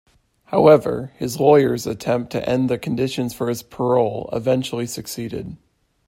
However, his lawyers' attempt to end the conditions for his parole eventually succeeded.